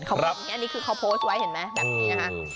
อันนี้คือเขาโพสต์ไว้เห็นมั้ย